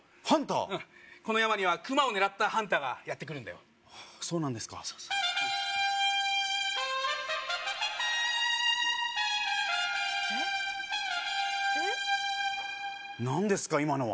うんこの山にはクマを狙ったハンターがやってくるんだよそうなんですか何ですか？